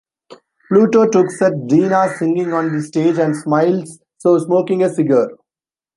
Pluto looks at Dina singing on the stage and smiles, smoking a cigar.